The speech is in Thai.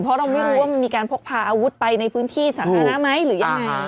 เพราะเราไม่รู้ว่ามันมีการพกพาอาวุธไปในพื้นที่สาธารณะไหมหรือยังไง